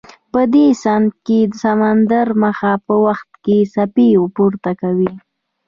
په دې سیند کې سمندري مد په وخت کې څپې پورته کوي.